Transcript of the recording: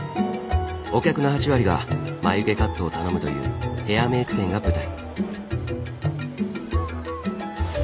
お客の８割が眉毛カットを頼むというヘアメイク店が舞台。